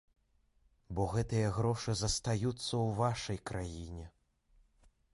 Бо гэтыя грошы застаюцца ў вашай краіне.